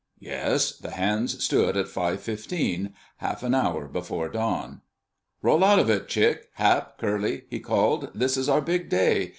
Yes, the hands stood at five fifteen—half an hour before dawn! "Roll out of it, Chick, Hap, Curly!" he called. "This is our big day.